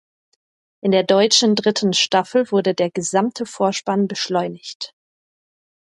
In der deutschen dritten Staffel wurde der gesamte Vorspann beschleunigt.